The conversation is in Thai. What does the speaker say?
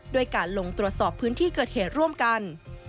ด้วยการลงตรวจสอบพื้นที่เกิดเหตุร่วมกัน